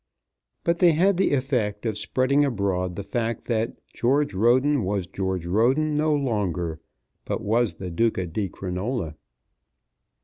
But they had the effect of spreading abroad the fact that George Roden was George Roden no longer, but was the Duca di Crinola.